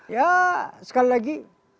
ya sekali lagi